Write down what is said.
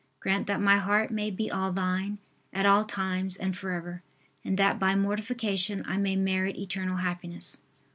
Grant that my heart may be all Thine, at all times and forever. And that by mortification I may merit eternal happiness.